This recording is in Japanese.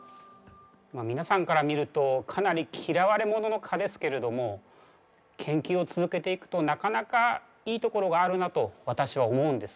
皆さんから見るとかなり嫌われ者の蚊ですけれども研究を続けていくとなかなかいいところがあるなと私は思うんです。